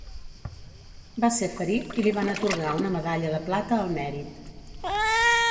Va ser ferit i li van atorgar una medalla de plata al mèrit.